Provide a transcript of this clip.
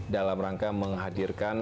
dalam rangka menghadirkan